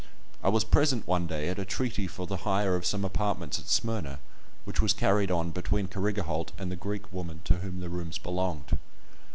I was present one day at a treaty for the hire of some apartments at Smyrna, which was carried on between Carrigaholt and the Greek woman to whom the rooms belonged.